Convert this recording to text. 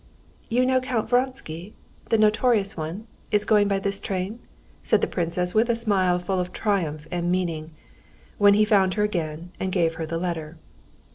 "You know Count Vronsky, the notorious one ... is going by this train?" said the princess with a smile full of triumph and meaning, when he found her again and gave her the letter.